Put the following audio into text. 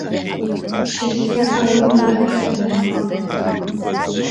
Шьасиа ауеимадаҳәа инеималҭәеит.